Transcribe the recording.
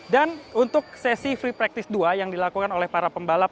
dan untuk sesi free practice dua yang dilakukan oleh para pembalap